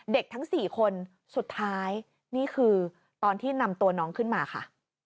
ทั้ง๔คนสุดท้ายนี่คือตอนที่นำตัวน้องขึ้นมาค่ะ